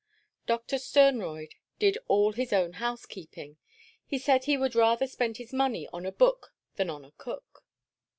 Doctor Sternroyd did all his own housekeeping; he said he would rather spend his money on a book than on a cook.